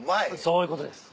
そういうことです。